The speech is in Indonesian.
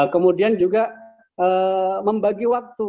kemudian juga membagi waktu